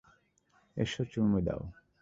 এসো, চুমু দাও।